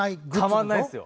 たまんないですよ。